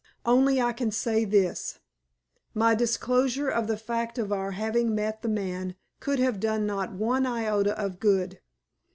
Only I can say this, my disclosure of the fact of our having met the man could have done not one iota of good.